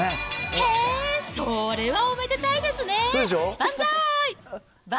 へー、それはおめでたいですね。